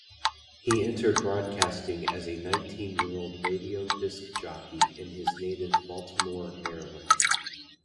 He entered broadcasting as a nineteen-year-old radio disc jockey in his native Baltimore, Maryland.